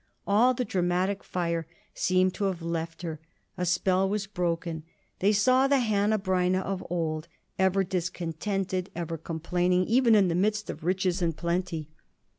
All the dramatic fire seemed to have left her. The spell was broken. They saw the Hanneh Breineh of old, ever discontented, ever complaining even in the midst of riches and plenty.